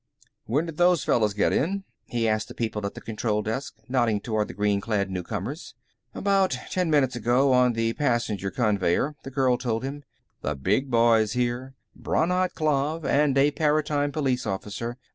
"When did those fellows get in?" he asked the people at the control desk, nodding toward the green clad newcomers. "About ten minutes ago, on the passenger conveyer," the girl told him. "The Big Boy's here. Brannad Klav. And a Paratime Police officer.